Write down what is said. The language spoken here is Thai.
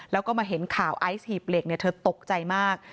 แล้วก็มาเห็นข่าวไอซ์หีบเหล็กเธอตกใจมาก